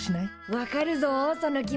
わかるぞその気持ち。